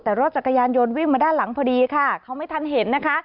แต่รถกายารยนต์วิ่งมาด้านหลังพอดีเขาไม่ทันเห็น